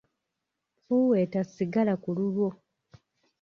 Fuuweta sigala kululwo.